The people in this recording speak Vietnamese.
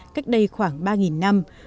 cách đây khoảng ba năm